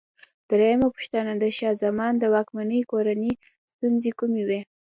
درېمه پوښتنه: د شاه زمان د واکمنۍ کورنۍ ستونزې کومې وې؟